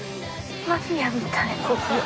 マフィアみたい。